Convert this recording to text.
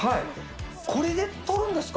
これで取るんですか？